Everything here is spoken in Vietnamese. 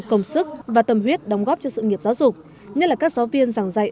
công sức và tâm huyết đóng góp cho sự nghiệp giáo dục nhất là các giáo viên giảng dạy